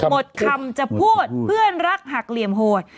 หมดคำจะพูดเพื่อนรักหักเหลี่ยมโหด